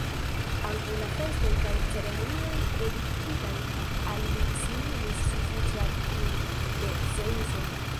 Ankaŭ la festoj kaj ceremonioj dediĉitaj al li similis sufiĉe al tiuj, de Zeŭso.